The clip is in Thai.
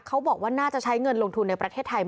เขาบอกว่าน่าจะใช้เงินลงทุนในประเทศไทย